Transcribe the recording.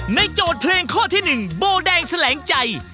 โจทย์เพลงข้อที่๑โบแดงแสลงใจ